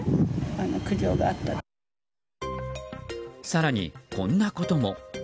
更にこんなことも。